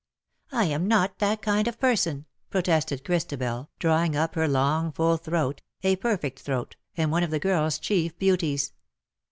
'^ I am not that kind of person," protested Christabel, drawing up her long full throat, a perfect throat, and one of the girl's chief beauties.